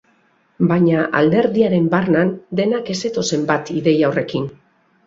Baina alderdiaren barnan denak ez zetozen bat ideia horrekin.